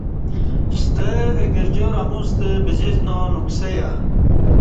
ستہ اہ گرجار اموستہ ب زسنا نکسہ یہ